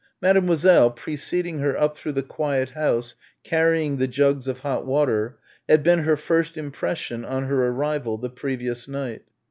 Mademoiselle, preceding her up through the quiet house carrying the jugs of hot water, had been her first impression on her arrival the previous night.